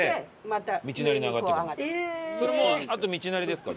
それもうあと道なりですか？